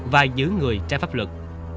và giữ người trái pháp luật